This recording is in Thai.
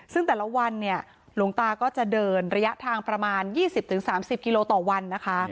ซึ่งแต่ละวันเนี่ยหลวงตาก็จะเดินระยะทางประมาณ๒๐๓๐กิโลต่อวันนะคะ